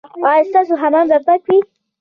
ایا ستاسو حمام به پاک وي؟